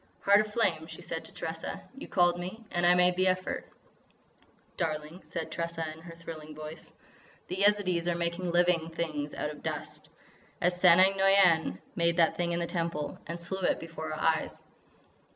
"Heart of Flame," she said to Tressa, "you called me and I made the effort." "Darling," said Tressa in her thrilling voice, "the Yezidees are making living things out of dust,—as Sanang Noïane made that thing in the Temple.... And slew it before our eyes."